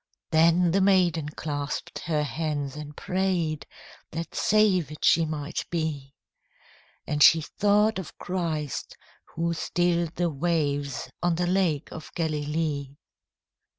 Then the maiden clasped her hands and prayed That savèd she might be; And she thought of Christ, who stilled the waves On the Lake of Galilee.